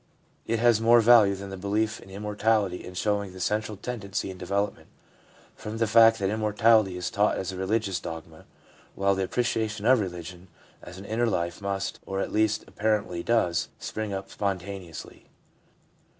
It has more value than the belief in immortality in showing the central tendency in development from the fact that immortality is taught as a religious dogma, while the appreciation of religion as an inner life must, or at least apparently does, spring up spontaneously.